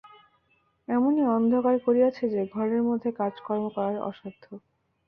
এমনি অন্ধকার করিয়াছে যে, ঘরের মধ্যে কাজকর্ম করা অসাধ্য।